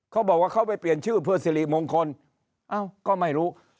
เขาบอกว่าเขาไปเปลี่ยนชื่อเพื่อสิริมงคลเอ้าก็ไม่รู้